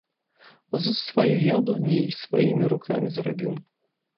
З сваёй яблыні й сваімі рукамі зрабіў.